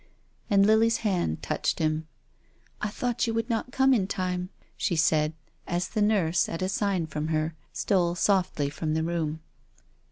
And Lily's hand touched him. " I thought you would not come in time, " she said, as the nurse, at a sign from her, stole softly from the room.